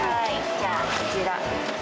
じゃあ、こちら。